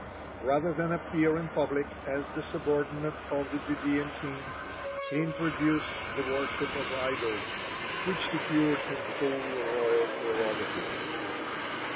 Rather than appear in public as the subordinate of the Judean king, he introduced the worship of idols, which secured him full royal prerogatives.